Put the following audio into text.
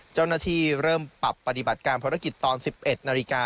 เจ้าหน้าที่เริ่มปรับปฏิบัติการภารกิจตอน๑๑นาฬิกา